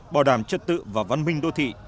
bảo đảm chất tự và văn minh đô thị